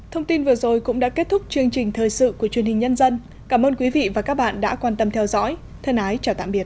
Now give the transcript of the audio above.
thông tin vừa rồi cũng đã kết thúc chương trình thời sự của truyền hình nhân dân cảm ơn quý vị và các bạn đã quan tâm theo dõi thân ái chào tạm biệt